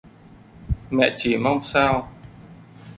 Mẹ chỉ mong sao